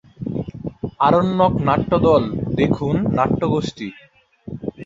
আরণ্যক নাট্যদল দেখুন নাট্যগোষ্ঠী।